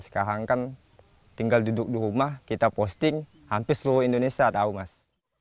sekarang kan tinggal duduk di rumah kita posting hampir seluruh indonesia tahu mas